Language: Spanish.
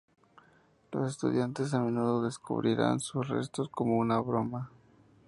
Los estudiantes a menudo descubrían sus restos como una broma.